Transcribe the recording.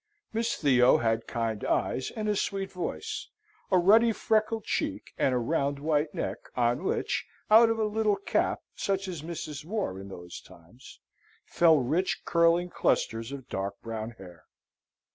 Miss Theo had kind eyes and a sweet voice; a ruddy freckled cheek and a round white neck, on which, out of a little cap such as misses wore in those times, fell rich curling clusters of dark brown hair.